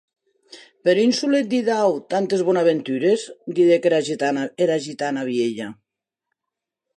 Per un solet didau tantes bonaventures?, didec era gitana vielha.